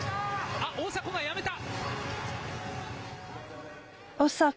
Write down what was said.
あっ、大迫がやめた。